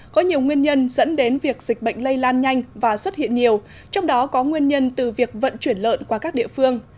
có nhiều nguyên nhân dẫn đến việc dịch bệnh lây lan nhanh và xuất hiện nhiều trong đó có nguyên nhân từ việc vận chuyển lợn qua các địa phương